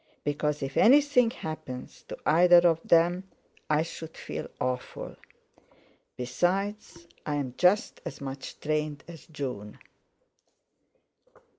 Because if anything happens to either of them I should feel awful. Besides, I'm just as much trained as June."